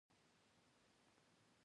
په قرآن کریم کې نیالګی راوړل شوی دی.